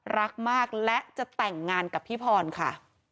รักมากและจะแต่งงานกับพี่พรค่ะ